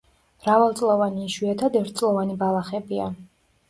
მრავალწლოვანი, იშვიათად ერთწლოვანი ბალახებია.